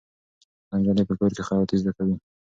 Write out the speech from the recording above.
دا نجلۍ په کور کې خیاطي زده کوي.